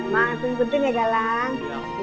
maafin buntin ya galang